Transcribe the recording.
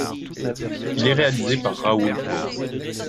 Il est réalisé par Rahul Bose.